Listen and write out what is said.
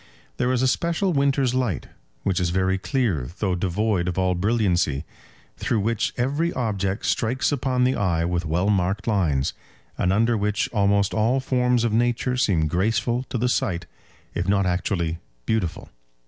There is a special winter's light, which is very clear though devoid of all brilliancy, through which every object strikes upon the eye with well marked lines, and under which almost all forms of nature seem graceful to the sight if not actually beautiful.